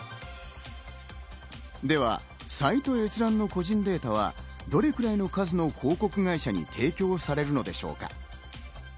では、サイト閲覧で得た個人データはどれくらい広告会社に提供されるのでしょうか。